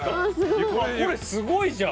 これすごいじゃん！